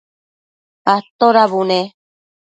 atoda bune?